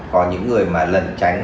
có những người mà lần tránh